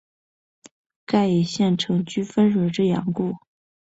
盖以县城居汾水之阳故。